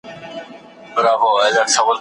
دا خبره په حقيقت کي سمه ده.